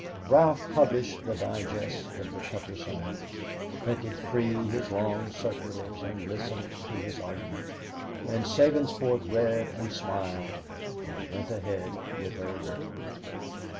Ralph published the digests of the Pepper sermons, printed free his long circulars and listened to his argument, and Sabinsport read and smiled and went ahead with her work.